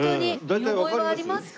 見覚えはありますか？